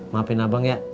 maafin abang ya